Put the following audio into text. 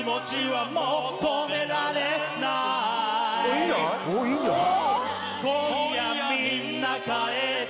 いいんじゃないおいいんじゃない？